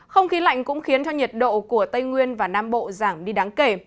không khí lạnh cũng khiến cho nhiệt độ của tây nguyên và nam bộ giảm đi đáng kể